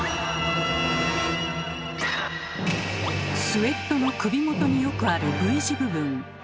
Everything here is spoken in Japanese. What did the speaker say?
スウェットの首元によくあるＶ字部分。